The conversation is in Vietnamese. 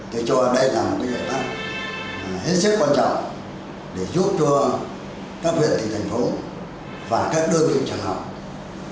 thế cho đây là một cái lệ pháp hết sức quan trọng để giúp cho các huyện thành phố và các đơn vị trang học